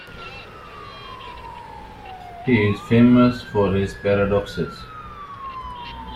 He is famous for his paradoxes.